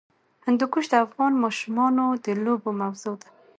هندوکش د افغان ماشومانو د لوبو موضوع ده.